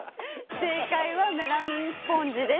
正解はメラミンスポンジです。